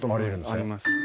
あります。